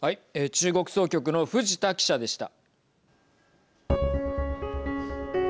中国総局の藤田記者でした。